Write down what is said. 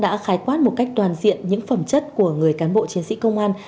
đã khái quát một cách toàn diện những phẩm chất của người cán bộ chiến sĩ công an